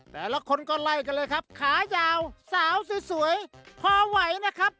แต่ละคนก็ไล่กันเลยครับขายาวสาวสวยพอไหวนะครับ